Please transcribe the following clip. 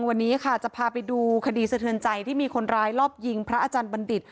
วันนี้ค่ะจะพาไปดูคดีสะเทือนใจที่มีคนร้ายรอบยิงพระอาจารย์บัณฑิต